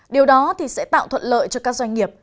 điều đó thì sẽ tạo thuận lợi cho các doanh nghiệp